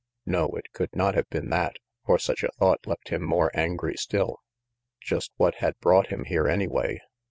No, it could not have been that, for such a thought left him more angry still. Just what had brought him here anyway?